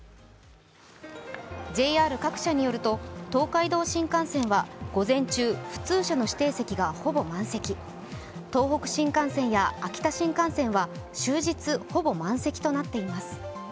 ＪＲ各社によると東海道新幹線は午前中、普通車の指定席がほぼ満席、東北新幹線や秋田新幹線は終日ほぼ満席となっています。